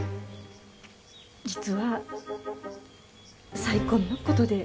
実は再婚のことで。